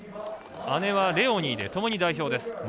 姉はレオニーでともに代表です。